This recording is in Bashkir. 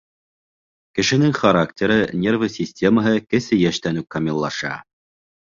Кешенең характеры, нервы системаһы кесе йәштән үк камиллаша.